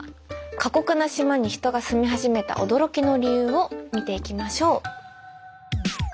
「過酷な島に人が住み始めた驚きの理由」を見ていきましょう。